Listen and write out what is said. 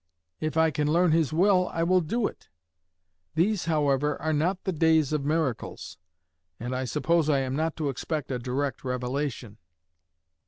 If I can learn His will, I will do it. These, however, are not the days of miracles, and I suppose I am not to expect a direct revelation.